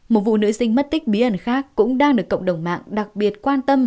một vụ nữ sinh mất tích bí ẩn khác cũng đang được cộng đồng mạng đặc biệt quan tâm